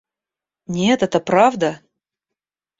Нет, это правда.